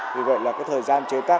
vì vậy là thời gian chế tác